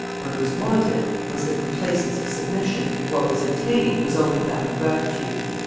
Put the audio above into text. "What was wanted was the complaisance of submission, what was obtained was only that of gratitude."